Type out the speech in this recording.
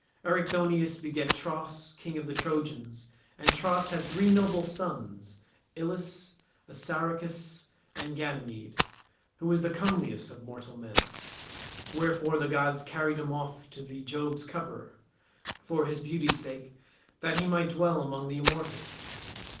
Erichthonius begat Tros, king of the Trojans, and Tros had three noble sons, Ilus, Assaracus, and Ganymede who was comeliest of mortal men; wherefore the gods carried him off to be Jove's cup bearer, for his beauty's sake, that he might dwell among the immortals.